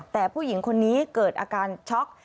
แต่ผู้หญิงคนนี้เกิดอาการช็อก